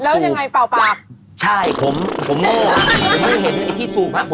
แล้วยังไงเปล่าปาก